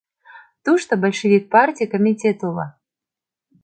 Тушто большевик партий комитет уло.